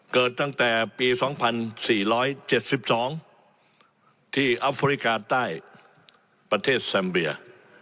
เกิดตั้งแต่ปี๒๔๗๒ที่อัฟริกาใต้ประเทศแซมเบีย